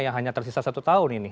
yang hanya tersisa satu tahun ini